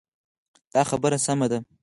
دا خبره سمه ده.